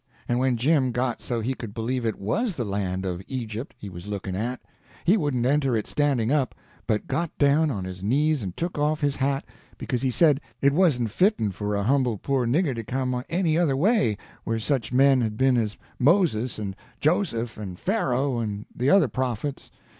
And when Jim got so he could believe it was the land of Egypt he was looking at, he wouldn't enter it standing up, but got down on his knees and took off his hat, because he said it wasn't fitten' for a humble poor nigger to come any other way where such men had been as Moses and Joseph and Pharaoh and the other prophets.